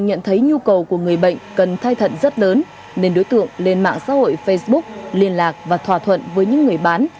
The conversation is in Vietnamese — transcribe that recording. nhận thấy nhu cầu của người bệnh cần thay thận rất lớn nên đối tượng lên mạng xã hội facebook liên lạc và thỏa thuận với những người bán